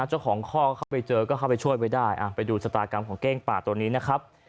เจ้าของข้อเข้าไปเจอก็เข้าไปช่วยไว้ได้ไปดูชะตากรรมของเก้งป่าตัวนี้นะครับ